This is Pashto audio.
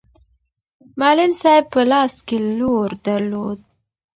معلم صاحب په لاس کې لور درلود.